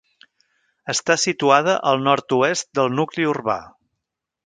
Està situada al nord-oest del nucli urbà.